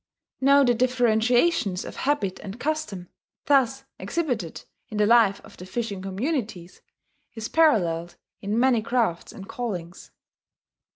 Now the differentiations of habit and custom, thus exhibited in the life of the fishing communities, is paralleled in many crafts and callings.